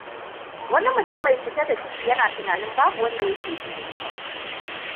Wani mutum mai cike da ciki yana tunanin babu wanda yake jin yunwa.